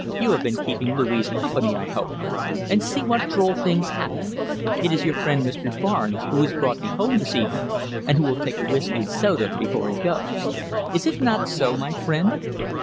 You have been keeping Louise company, I hope. And see what droll things happen! It is your friend, Mr. Barnes, who has brought me home this evening, and who will take a whisky and soda before he goes. Is it not so, my friend?"